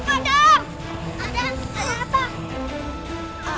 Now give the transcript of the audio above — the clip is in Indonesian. padang ada apa